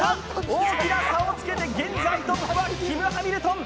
大きな差を付けて現在トップはキム・ハミルトン。